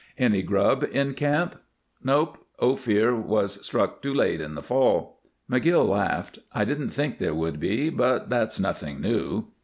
"Any grub in camp?" "Nope. Ophir was struck too late in the fall." McGill laughed. "I didn't think there would be; but that's nothing new."